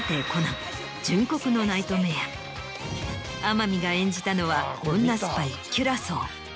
天海が演じたのは女スパイキュラソー。